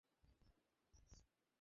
কৃষ্ণদয়াল কহিলেন, কেন কী!